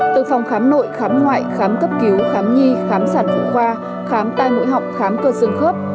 từ phòng khám nội khám ngoại khám cấp cứu khám nhi khám sản phụ khoa khám tai mũi họng khám cơ xương khớp